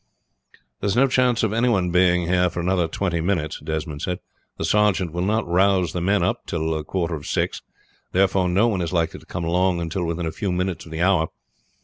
"There is no chance of any one being here for another twenty minutes," Desmond said. "The sergeant will not rouse the men up till a quarter to six, therefore no one is likely to come along until within a few minutes of the hour.